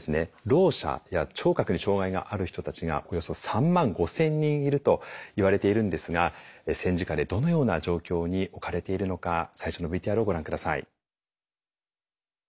ろう者や聴覚に障害がある人たちがおよそ３万５，０００人いるといわれているんですが戦時下でどのような状況に置かれているのか最初のＶＴＲをご覧下さい。